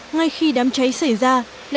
ngay khi đám cháy xảy ra